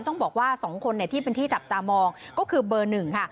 ต้องบอกว่า๒คนที่เป็นที่จับตามองก็คือเบอร์๑ค่ะ